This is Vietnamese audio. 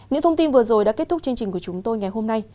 những thông tin vừa rồi đã kết thúc chương trình của chúng tôi ngày hôm nay